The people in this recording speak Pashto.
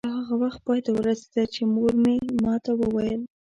دا هغه وخت پای ته ورسېده چې مور مې ما ته وویل.